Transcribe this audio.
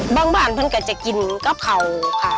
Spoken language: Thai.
บางบ้านเพิ่งกันจะกินกับเข่าค่ะ